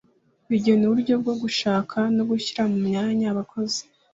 rigena uburyo bwo gushaka no gushyira mu myanya abakozi